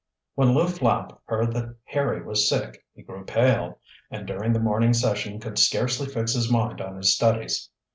When Lew Flapp heard that Harry was sick he grew pale, and during the morning session could scarcely fix his mind on his studies.